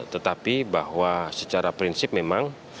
tetapi bahwa secara prinsip memang